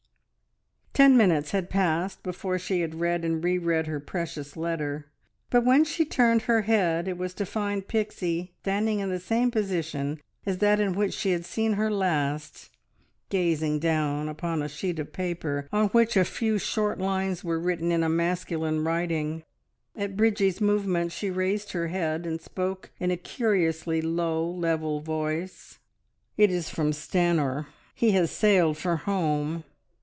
Ten minutes had passed before she had read and re read her precious letter, but when she turned her head it was to find Pixie standing in the same position as that in which she had seen her last, gazing down upon a sheet of paper on which a few short lines were written in a masculine writing. At Bridgie's movement she raised her head, and spoke in a curiously low, level voice "It is from Stanor. He has sailed for home.